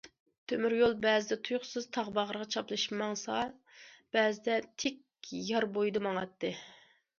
تۆمۈر يول بەزىدە تۇيۇقسىز تاغ باغرىغا چاپلىشىپ ماڭسا، بەزىدە تىك يار بويىدا ماڭاتتى.